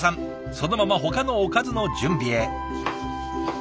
そのままほかのおかずの準備へ。